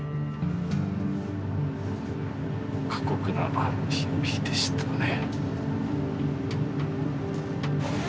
過酷な日々でしたね。